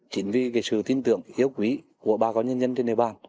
chính vì sự tin tưởng yếu quý của ba con nhân dân trên địa bàn